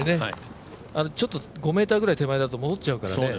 ちょっと、５ｍぐらい手前だと戻っちゃうからね。